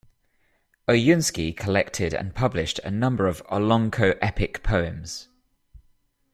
Oyunsky collected and published a number of Olonkho epic poems.